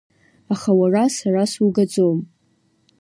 Аха уара сара сугаӡом!